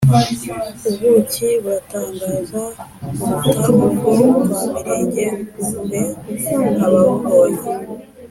ubuki buratangaza buruta ubwo kwa Mirenge kure. Ababubonye